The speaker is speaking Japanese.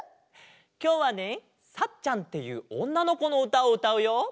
きょうはね「サッちゃん」っていうおんなのこのうたをうたうよ。